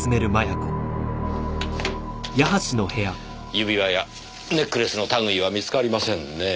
指輪やネックレスのたぐいは見つかりませんねぇ。